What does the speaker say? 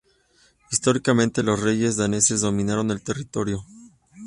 Históricamente los reyes daneses dominaron el territorio.